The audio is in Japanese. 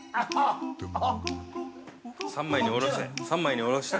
◆三枚におろして。